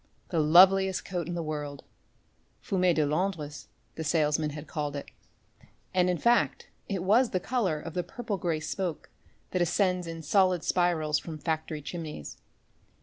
The loveliest coat in the world "fumée de Londres," the salesman had called it, and in fact, it was the colour of the purple grey smoke that ascends in solid spirals from factory chimneys.